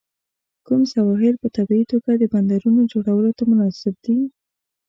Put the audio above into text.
کوم سواحل په طبیعي توګه د بندرونو جوړولو ته مناسب دي؟